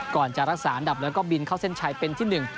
ก่อนจะรักษาอันดับแล้วก็บินเข้าเส้นชัยเป็นที่หนึ่ง